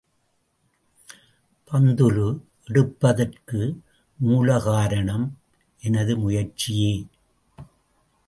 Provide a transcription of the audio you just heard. பந்துலு எடுப்பதற்கு மூல காரணம் எனது முயற்சியே.